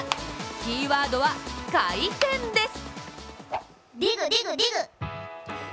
キーワードは、回転です。